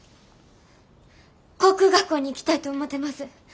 航空学校に行きたいと思てます。